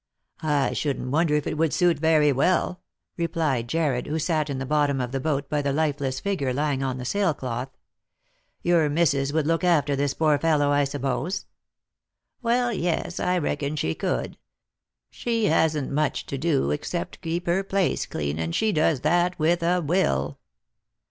" I shouldn't wonder if it would suit very well," replied Jarred, who sat in the bottom of the boat by the lifeless figure lying on the sail cloth. " Your missus would look after this poor fellow, I suppose?" " Well, yes, I reckon she could. She hasn't much to do except keep her place clean, and she does that with a will."